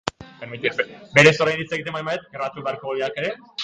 Pilotari segurua da, eskuin bortitzekoa.